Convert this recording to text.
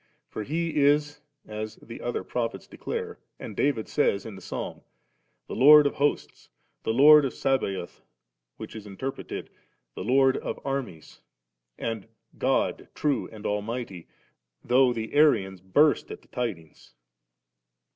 For He is, as the other Pro phets declare, and David says in the Psafan, 'the Lord of hosts, the Lord of Sabaoth,' which is interpreted, 'the Lord of Armies,' and God True and Almighty, though the Arians burst" at the tidings.